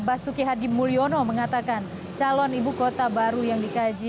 basuki hadi mulyono mengatakan calon ibu kota baru yang dikaji